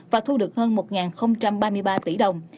và thu được hơn một ba mươi ba tỷ đồng